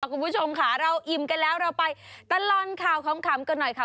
คุณผู้ชมค่ะเราอิ่มกันแล้วเราไปตลอดข่าวขำกันหน่อยค่ะ